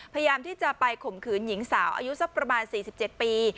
พยายามที่จะไปข่มขืนหญิงสาวอายุสักประมาณ๔๗ปี